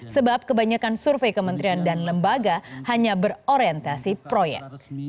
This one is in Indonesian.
sebab kebanyakan survei kementerian dan lembaga hanya berorientasi proyek